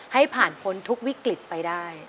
ให้ผ่านพ้นทุกวิกฤตไปได้